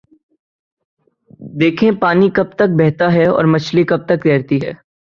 دیکھیے پانی کب تک بہتا اور مچھلی کب تک تیرتی ہے؟